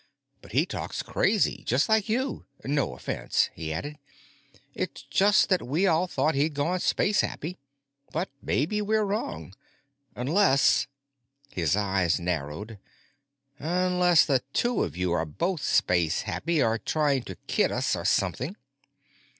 But he talks crazy, just like you. No offense," he added, "it's just that we all thought he'd gone space happy. But maybe we're wrong. Unless——" his eyes narrowed "unless the two of you are both space happy, or trying to kid us, or something."